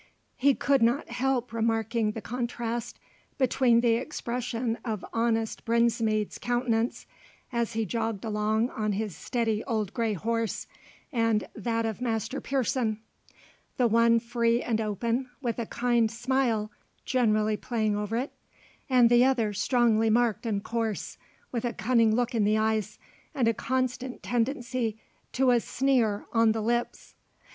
He could not help remarking the contrast between the expression of honest Brinsmead's countenance, as he jogged along on his steady old grey horse, and that of Master Pearson: the one free and open, with a kind smile generally playing over it, and the other strongly marked and coarse, with a cunning look in the eyes, and a constant tendency to a sneer on the lips.